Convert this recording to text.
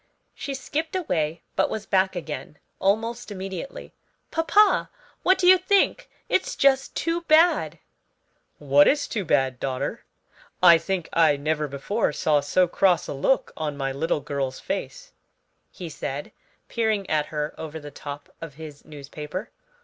She skipped away, but was back again almost immediately. "Papa, what do you think? It's just too bad!" "What is too bad, daughter? I think I never before saw so cross a look on my little girl's face," he said, peering at her over the top of his newspaper.